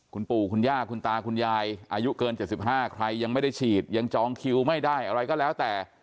คุณปู่คุณย่าคุณตาคุณยายอายุเกิน๗๕ใครยังไม่ได้ฉีดยังจองคิวไม่ได้อะไรก็แล้วแต่